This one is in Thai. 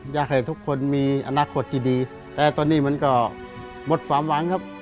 อยากให้ทุกคนมีอนาคตที่ดีแต่ตอนนี้มันก็หมดความหวังครับ